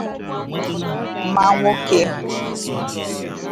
ma nwoke